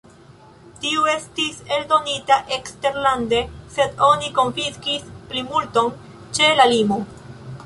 Tiu estis eldonita eksterlande, sed oni konfiskis plimulton ĉe la limo.